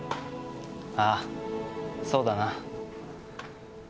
ああ、そうだな。